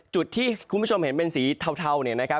จุดที่ไปเป็นสีเทาเทา